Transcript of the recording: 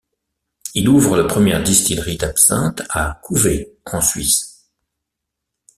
Il ouvre la première distillerie d'absinthe à Couvet en Suisse.